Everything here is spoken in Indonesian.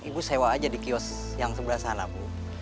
ibu sewa aja di kios yang sebelah sana bu